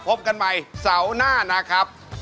พบกันใหม่เสาร์หน้านะครับ